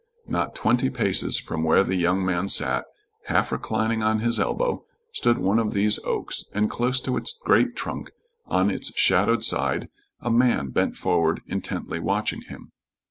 Not twenty paces from where the young man sat, half reclining on his elbow, stood one of these oaks, and close to its great trunk on its shadowed side a man bent forward intently watching him.